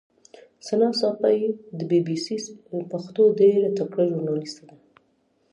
ثنا ساپۍ د بي بي سي پښتو ډېره تکړه ژورنالیسټه ده.